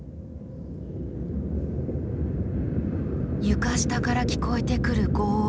床下から聞こえてくるごう音。